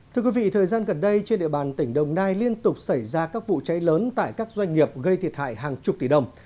thưa quý vị thời gian gần đây trên địa bàn tỉnh đồng nai liên tục xảy ra các vụ cháy lớn tại các doanh nghiệp gây thiệt hại hàng chục tỷ đồng